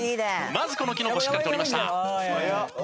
まずこのキノコしっかり取りました。